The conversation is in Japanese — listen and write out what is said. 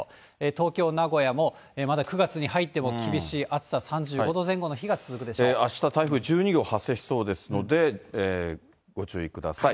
東京、名古屋もまだ９月に入っても厳しい暑さ、３５度前後の日が続くであした、台風１２号発生しそうですので、ご注意ください。